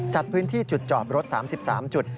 จัดพื้นที่จุดจอบรถ๓๓จุด